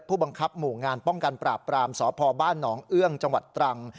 ผู้บังคับหมู่งานป้องกันปราบปรามสพบ้านหนองเอื้องจังหวัดตรัง